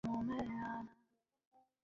Tales একটা পরিস্থিতির মুখোমুখি হয়েছি।